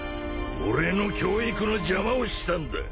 俺の教育の邪魔をしたんだ。